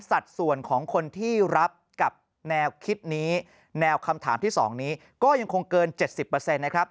สัดส่วนของคนที่รับกับแนวคิดนี้แนวคำถามที่๒นี้ก็ยังคงเกิน๗๐นะครับ